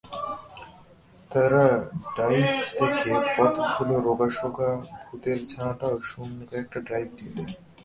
তার ডাইভ দেখে পথভুলো রোগাসোগা ভূতের ছানাটাও শূন্যে কয়েকটা ডাইভ দিয়ে দেয়।